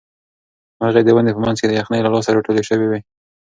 مرغۍ د ونې په منځ کې د یخنۍ له لاسه راټولې شوې وې.